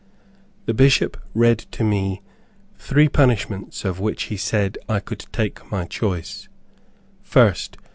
The Bishop read to me three punishments of which he said, I could take my choice. First.